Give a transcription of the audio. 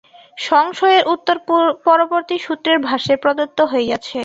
সংশয়ের উত্তর পরবর্তী সূত্রের ভাষ্যে প্রদত্ত হইয়াছে।